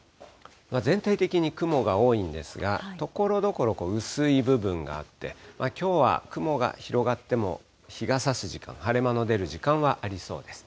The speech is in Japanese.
全体的に雲が多いんですが、ところどころ、薄い部分があって、きょうは雲が広がっても日がさす時間、晴れ間の出る時間はありそうです。